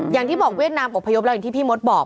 อย่างที่บอกเวียดนามอบพยพแล้วอย่างที่พี่มดบอก